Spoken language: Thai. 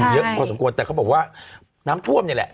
เยอะพอสมควรแต่เขาบอกว่าน้ำท่วมนี่แหละ